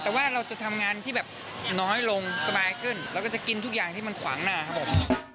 แต่ว่าเราจะทำงานที่แบบน้อยลงสบายขึ้นแล้วก็จะกินทุกอย่างที่มันขวางหน้าครับผม